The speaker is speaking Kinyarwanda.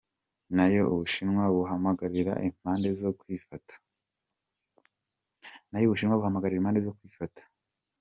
Nayo Ubushinwa buhamagarira impande zose kwifata.